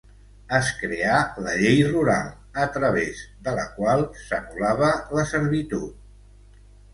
Es creà la Llei Rural, a través de la qual s'anul·lava la servitud.